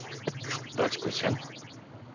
バチコちゃん。